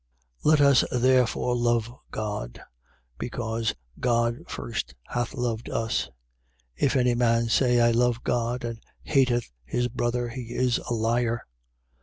Let us therefore love God: because God first hath loved us. 4:20. If any man say: I love God, and hateth his brother; he is a liar.